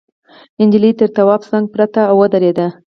نجلۍ تر تواب څنگ پرته وه او ودرېده.